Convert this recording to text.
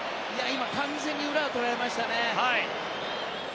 今、完全に裏を取られましたね。